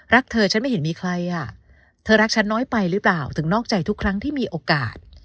เธอฉันไม่เห็นมีใครอ่ะเธอรักฉันน้อยไปหรือเปล่าถึงนอกใจทุกครั้งที่มีโอกาส